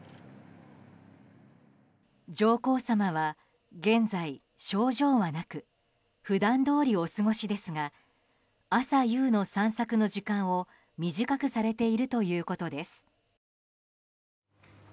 上皇さまは現在、症状はなく普段どおりお過ごしですが朝夕の散策の時間を短くされているということです。